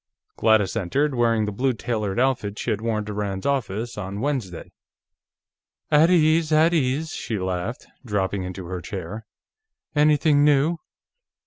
Gladys entered, wearing the blue tailored outfit she had worn to Rand's office, on Wednesday. "At ease, at ease," she laughed, dropping into her chair. "Anything new?"